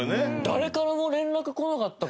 誰からも連絡来なかったから。